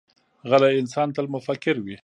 غلی انسان، تل متفکر وي.